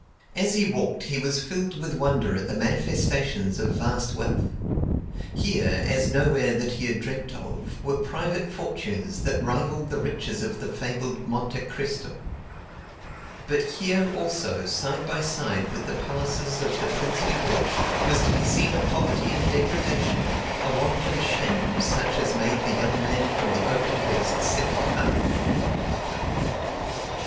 As he walked he was filled with wonder at the manifestations of vast wealth. Here, as nowhere that he had dreamed of, were private fortunes that rivaled the riches of the fabled Monte Cristo. But here, also, side by side with the palaces of the princely rich, was to be seen a poverty and degradation, a want and shame, such as made the young man from the open West sick at heart.